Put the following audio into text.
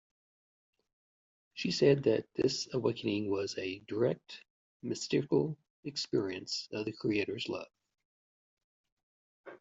She said that this awakening was a direct, mystical experience of the "creator's" love.